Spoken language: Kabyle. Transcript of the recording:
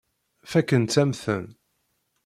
Fakkent-am-ten.